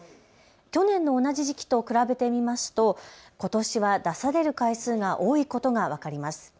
去年の同じ時期と比べてみますとことしは出される回数が多いことが分かります。